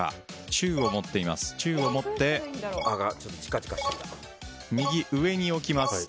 中を持って右上に置きます。